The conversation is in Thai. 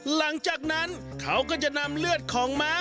หลังจากนั้นเขาก็จะนำเลือดของม้า